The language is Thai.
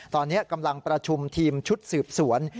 ตอนนี้กำลังประชุมทีมชุดสืบสวน